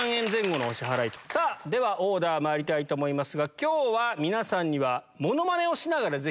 ではオーダーまいりたいと思いますが今日は皆さんには。